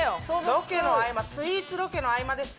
ロケの合間、スイーツロケの合間です。